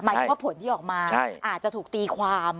ถึงว่าผลที่ออกมาอาจจะถูกตีความ